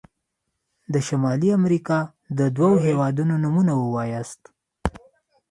د شمالي امريکا د دوه هيوادونو نومونه ووایاست.